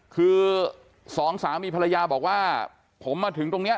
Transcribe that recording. คือสองสามีภรรยาบอกว่าผมมาถึงตรงนี้